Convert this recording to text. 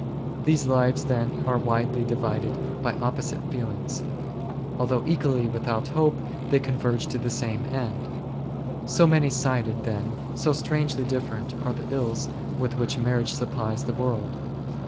These lives then are widely divided by opposite feelings ; although equally without hope, they converge to the same end. So many sided, then, so strangely different are the ills with which marriage supplies the world.